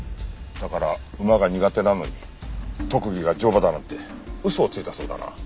だから馬が苦手なのに特技が乗馬だなんて嘘をついたそうだな。